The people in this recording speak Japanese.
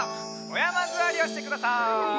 おやまずわりをしてください。